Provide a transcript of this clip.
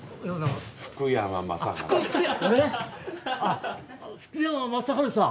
福山雅治さん！